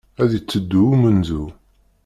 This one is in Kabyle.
Ad d-iteddu umenzu.